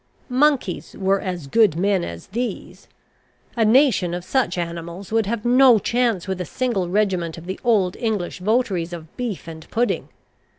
Monkeys were as good men as these. A nation of such animals would have no chance with a single regiment of the old English votaries of beef and pudding.